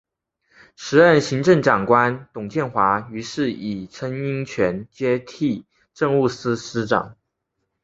时任行政长官董建华于是以曾荫权接替政务司司长。